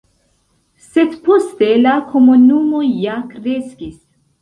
Sed poste la komunumo ja kreskis.